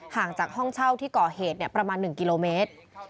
ห่างจากห้องเช่าที่ก่อเหตุประมาณ๑กิโลเมตร